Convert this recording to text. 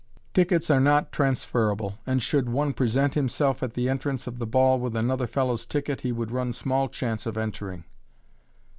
Tickets are not transferable, and should one present himself at the entrance of the ball with another fellow's ticket, he would run small chance of entering.